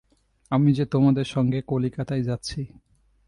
আমি যে তোমাদের সঙ্গে কলকাতায় যাচ্ছি।